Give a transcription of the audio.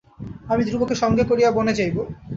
আমি ধ্রুবকে সঙ্গে করিয়া বনে যাইব।